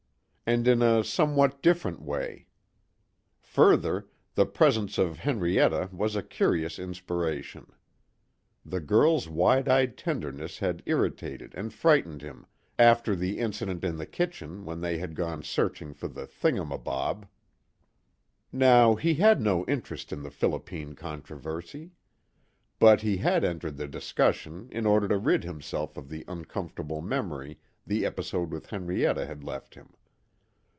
And in a somewhat different way. Further, the presence of Henrietta was a curious inspiration. The girl's wide eyed tenderness had irritated and frightened him after the incident in the kitchen when they had gone searching for the thingumabob. Now he had no interest in the Philippine controversy. But he had entered the discussion in order to rid himself of the uncomfortable memory the episode with Henrietta had left him.